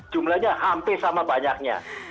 jumlahnya hampir sama banyaknya